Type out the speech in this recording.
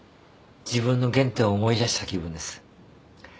自分の原点を思い出した気分です。